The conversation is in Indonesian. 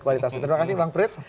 kualitasnya terima kasih bang frits